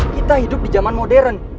kita hidup di zaman modern